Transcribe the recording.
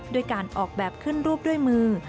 ด้วยการออกแบบขึ้นรูปด้วยมือ